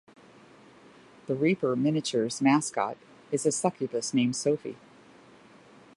The Reaper Miniatures mascot is a succubus named Sophie.